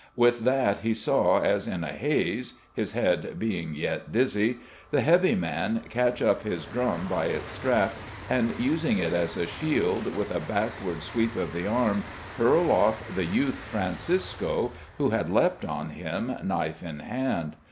With that he saw, as in a haze his head being yet dizzy the heavy man catch up his drum by its strap and, using it as a shield, with a backward sweep of the arm hurl off the youth Francisco, who had leapt on him knife in hand.